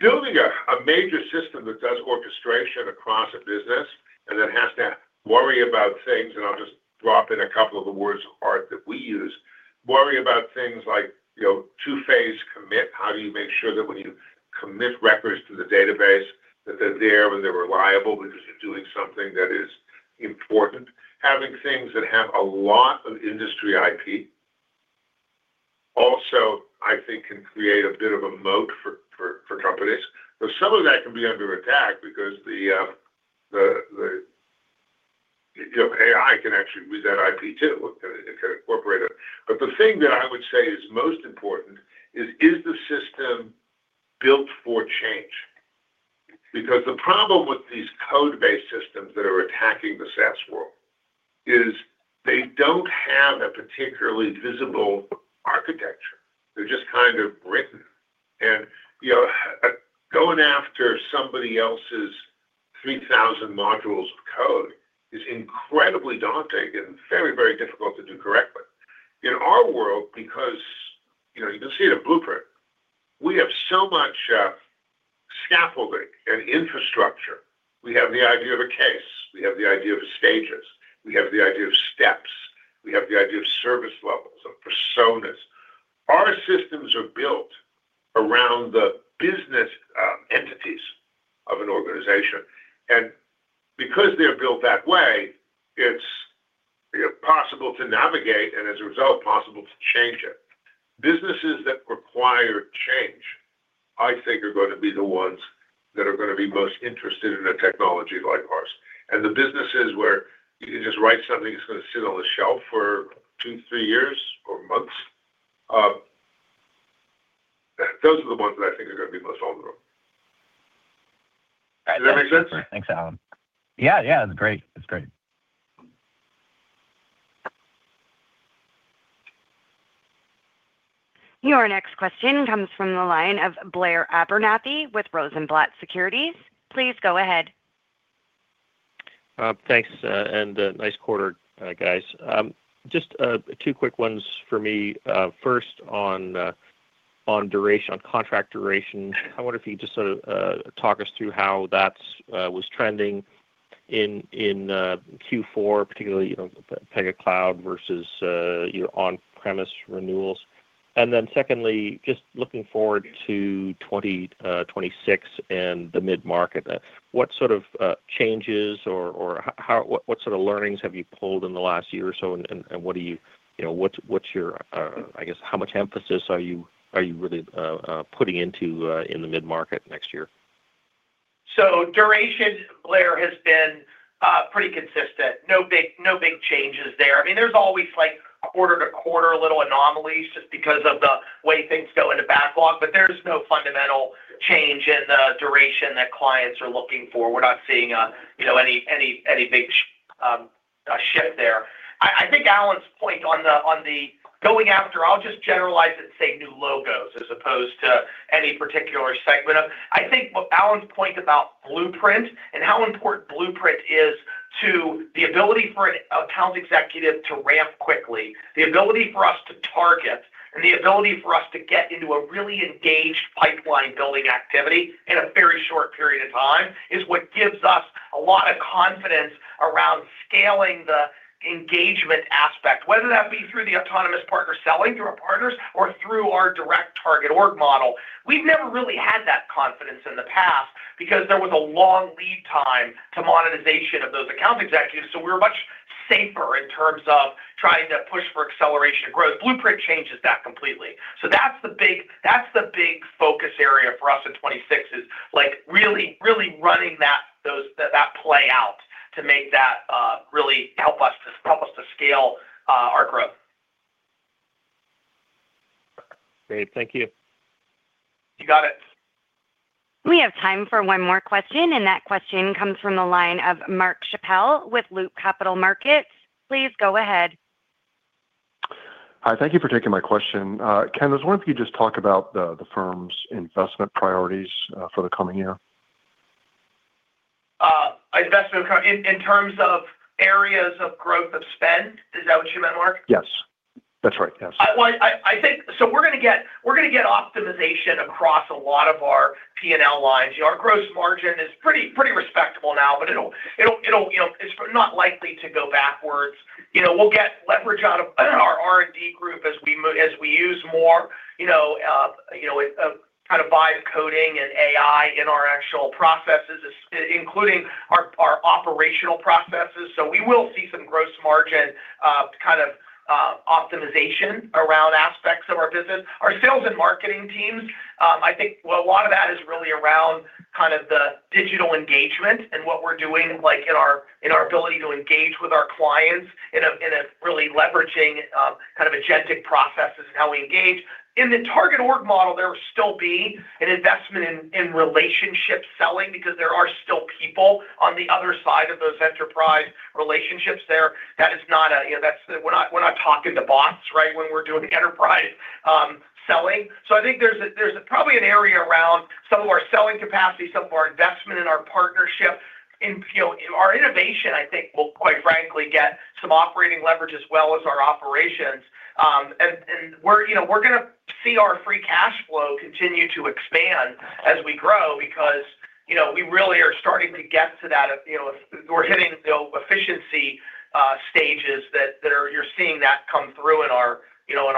building a major system that does orchestration across a business, and then has to worry about things, and I'll just drop in a couple of the words of art that we use. Worry about things like, you know, two-phase commit. How do you make sure that when you commit records to the database, that they're there when they're reliable, because you're doing something that is important? Having things that have a lot of industry IP, also, I think can create a bit of a moat for companies. But some of that can be under attack because the AI can actually use that IP, too. It can incorporate it. But the thing that I would say is most important is the system built for change? Because the problem with these code-based systems that are attacking the SaaS world is they don't have a particularly visible architecture. They're just kind of written. And, you know, going after somebody else's 3,000 modules of code is incredibly daunting and very, very difficult to do correctly. In our world, because, you know, you can see it in Blueprint, we have so much scaffolding and infrastructure. We have the idea of a case, we have the idea of stages, we have the idea of steps, we have the idea of service levels, of personas. Our systems are built around the business entities of an organization, and because they're built that way, it's, you know, possible to navigate, and as a result, possible to change it. Businesses that require change, I think, are gonna be the ones that are gonna be most interested in a technology like ours. The businesses where you can just write something that's gonna sit on the shelf for two, three years or months, those are the ones that I think are gonna be most vulnerable. Does that make sense? Thanks, Alan. Yeah, yeah, that's great. That's great. Your next question comes from the line of Blair Abernethy with Rosenblatt Securities. Please go ahead. Thanks, and nice quarter, guys. Just two quick ones for me. First on duration, on contract duration. I wonder if you just sort of talk us through how that's was trending in Q4, particularly, you know, Pega Cloud versus, you know, on-premise renewals. And then secondly, just looking forward to 2026 and the mid-market. What sort of changes or how, what sort of learnings have you pulled in the last year or so, and what do you, you know, what's your, I guess, how much emphasis are you really putting into in the mid-market next year? So duration, Blair, has been pretty consistent. No big, no big changes there. I mean, there's always, like, quarter-to-quarter little anomalies just because of the way things go into backlog, but there's no fundamental change in the duration that clients are looking for. We're not seeing you know, any, any, any big shift there. I, I think Alan's point on the, on the going after, I'll just generalize it and say new logos, as opposed to any particular segment of. I think what Alan's point about Blueprint and how important Blueprint is to the ability for an account executive to ramp quickly, the ability for us to target, and the ability for us to get into a really engaged pipeline-building activity in a very short period of time, is what gives us a lot of confidence around scaling the engagement aspect, whether that be through the autonomous partner selling, through our partners, or through our direct target org model. We've never really had that confidence in the past because there was a long lead time to monetization of those account executives, so we're much safer in terms of trying to push for acceleration and growth. Blueprint changes that completely. That's the big focus area for us in 2026, like really really running that play out to make that really help us to scale our growth. Great. Thank you. You got it. We have time for one more question, and that question comes from the line of Mark Schappel with Loop Capital Markets. Please go ahead. Hi, thank you for taking my question. Ken, I was wondering if you could just talk about the, the firm's investment priorities, for the coming year. Investment in, in terms of areas of growth of spend, is that what you meant, Mark? Yes. That's right, yes. Well, I think. So we're gonna get, we're gonna get optimization across a lot of our P&L lines. Our gross margin is pretty, pretty respectable now, but it'll, you know, it's not likely to go backwards. You know, we'll get leverage out of our R&D group as we move, as we use more, you know, kind of vibe coding and AI in our actual processes, including our operational processes. So we will see some gross margin kind of optimization around aspects of our business. Our sales and marketing teams, I think a lot of that is really around kind of the digital engagement and what we're doing, like in our ability to engage with our clients in a really leveraging kind of agentic processes and how we engage. In the target org model, there will still be an investment in relationship selling because there are still people on the other side of those enterprise relationships there. That is not a, you know, that's... We're not talking to bots, right? When we're doing enterprise selling. So I think there's probably an area around some of our selling capacity, some of our investment in our partnership, you know, in our innovation. I think will quite frankly get some operating leverage as well as our operations. And we're, you know, gonna see our free cash flow continue to expand as we grow because, you know, we really are starting to get to that, you know. We're hitting the efficiency stages that are-- you're seeing that come through in our, you know,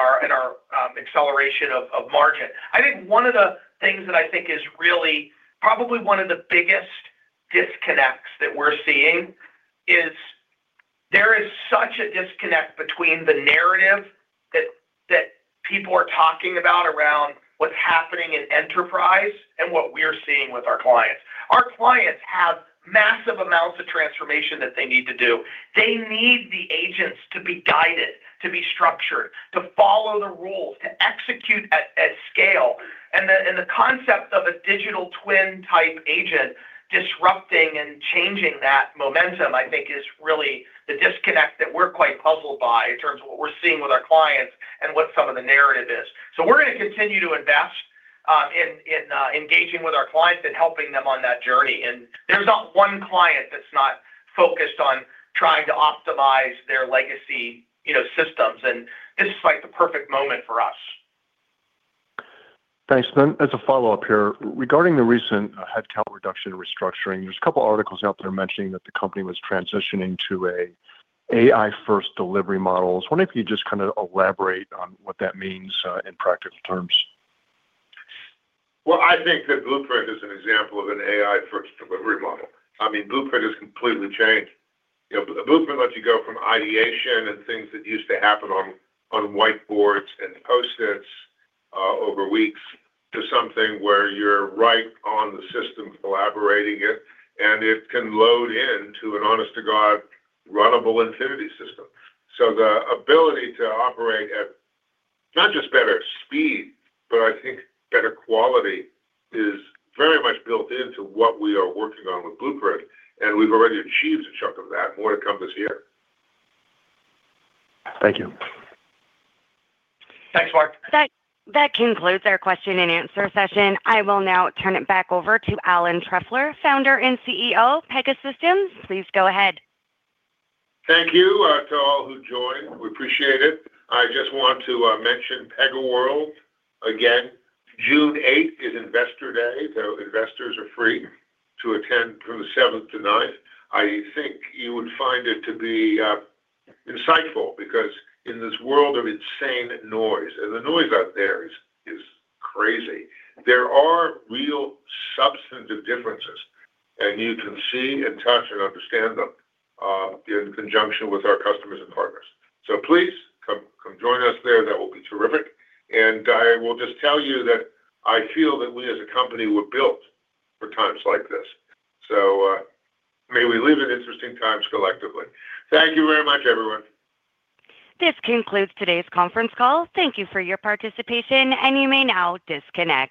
acceleration of margin. I think one of the things that I think is really probably one of the biggest disconnects that we're seeing is there is such a disconnect between the narrative that people are talking about around what's happening in enterprise and what we're seeing with our clients. Our clients have massive amounts of transformation that they need to do. They need the agents to be guided, to be structured, to follow the rules, to execute at scale. And the concept of a digital twin-type agent disrupting and changing that momentum, I think is really the disconnect that we're quite puzzled by in terms of what we're seeing with our clients and what some of the narrative is. So we're gonna continue to invest in engaging with our clients and helping them on that journey. There's not one client that's not focused on trying to optimize their legacy, you know, systems, and this is like the perfect moment for us. Thanks. Then, as a follow-up here, regarding the recent headcount reduction restructuring, there's a couple of articles out there mentioning that the company was transitioning to an AI-first delivery model. I was wondering if you could just kind of elaborate on what that means in practical terms. Well, I think that Blueprint is an example of an AI-first delivery model. I mean, Blueprint has completely changed. You know, Blueprint lets you go from ideation and things that used to happen on whiteboards and Post-its over weeks, to something where you're right on the system collaborating it, and it can load into an honest-to-God runnable Infinity system. So the ability to operate at not just better speed, but I think better quality, is very much built into what we are working on with Blueprint, and we've already achieved a chunk of that. More to come this year. Thank you. Thanks, Mark. That concludes our question-and-answer session. I will now turn it back over to Alan Trefler, Founder and CEO, Pegasystems. Please go ahead. Thank you to all who joined. We appreciate it. I just want to mention PegaWorld again. June 8th is Investor Day, so investors are free to attend from the 7th to 9th. I think you would find it to be insightful because in this world of insane noise, and the noise out there is, is crazy, there are real substantive differences, and you can see and touch and understand them in conjunction with our customers and partners. So please come, come join us there. That will be terrific. And I will just tell you that I feel that we, as a company, were built for times like this. So, may we live in interesting times collectively. Thank you very much, everyone. This concludes today's conference call. Thank you for your participation, and you may now disconnect.